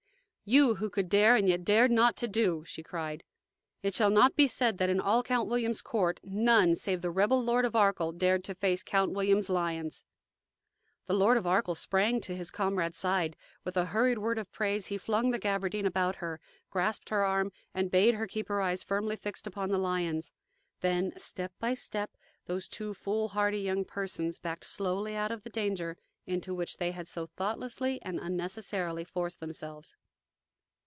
"You who could dare and yet dared not to do!" she cried, "it shall not be said that in all Count William's court none save the rebel Lord of Arkell dared to face Count William's lions!" The Lord of Arkell sprang to his comrade's side. With a hurried word of praise he flung the gabardine about her, grasped her arm, and bade her keep her eyes firmly fixed upon the lions; then, step by step, those two foolhardy young persons backed slowly out of the danger into which they had so thoughtlessly and unnecessarily forced themselves.